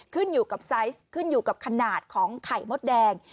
ขึ้นอยู่กับไซส์ขึ้นอยู่กับขนาดของไข่มดแดง